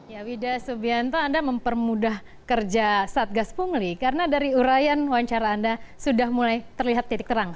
ya wida subianto anda mempermudah kerja satgas pungli karena dari urayan wawancara anda sudah mulai terlihat titik terang